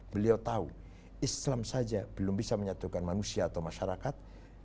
beliau tahu islam saja belum bisa menyatukan manusia atau masyarakat